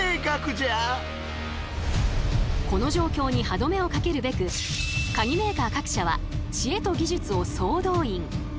この状況に歯止めをかけるべくカギメーカー各社は知恵と技術を総動員。